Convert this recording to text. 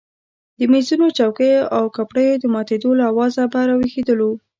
د مېزونو چوکیو او کپړیو د ماتېدو له آوازه به راویښېدلو.